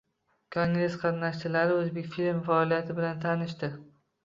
Kongress qatnashchilari “O‘zbekfilm” faoliyati bilan tanishdi